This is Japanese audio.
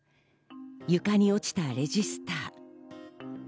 床に落ちたレジスター。